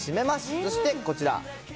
そしてこちら。